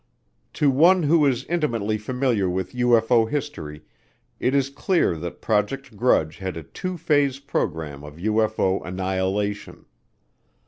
To one who is intimately familiar with UFO history it is clear that Project Grudge had a two phase program of UFO annihilation.